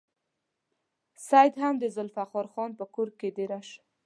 سید هم د ذوالفقار خان په کور کې دېره شو.